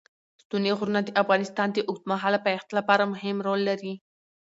ستوني غرونه د افغانستان د اوږدمهاله پایښت لپاره مهم رول لري.